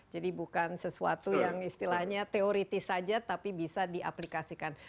jadi bukan sesuatu yang istilahnya teoritis saja tapi bisa diaplikasikan